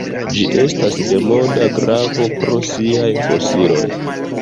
Ĝi estas de monda gravo pro siaj fosilioj.